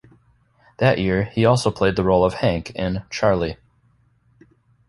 That year, he also played the role of Hank in "Charly".